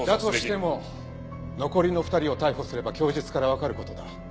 だとしても残りの２人を逮捕すれば供述からわかる事だ。